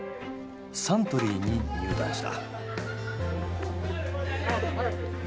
サントリーに入団した。